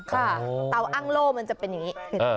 เตาอ้างโล่มันจะเป็นอย่างนี้